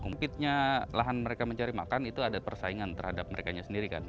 mungkin lahan mereka mencari makan itu ada persaingan terhadap merekanya sendiri kan